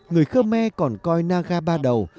người khơ me còn coi naga ba đầu